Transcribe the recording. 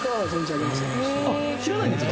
あっ知らないんですか？